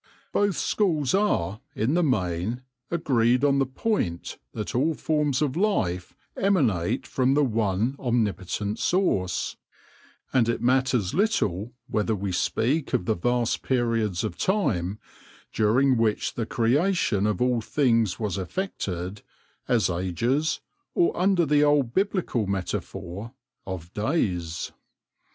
Both schools are, in the main, agreed on the point that all forms of life emanate from the one omnipotent source ; and it matters little whether we speak of the vast periods of time, during which the creation of all things was effected, as ages, or under the old Biblical metaphor of days.